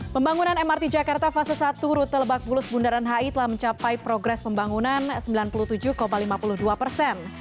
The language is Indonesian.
pembangunan mrt jakarta fase satu rute lebak bulus bundaran hi telah mencapai progres pembangunan sembilan puluh tujuh lima puluh dua persen